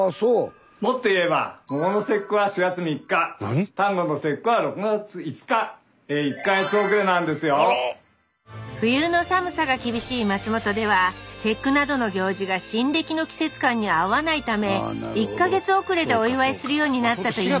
もっと言えば冬の寒さが厳しい松本では節句などの行事が新暦の季節感に合わないため１か月遅れでお祝いするようになったといいます